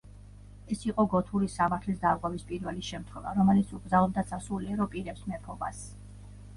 ეს იყო გოთური სამართლის დარღვევის პირველი შემთხვევა, რომელიც უკრძალავდა სასულიერო პირებს მეფობას.